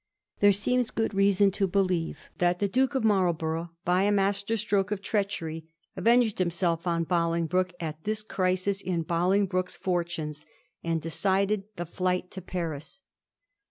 There seems good reason to believe that the Duke of Marlborough, by a master stroke of treachery, avenged himself on Bolingbroke at this crisis in Bolingbroke's fortunes, and decided the flight to Paris.